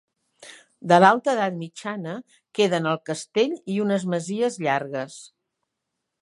De l'alta edat mitjana queden el castell i unes masies llargues.